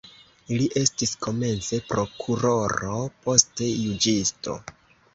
Li estis komence prokuroro, poste juĝisto.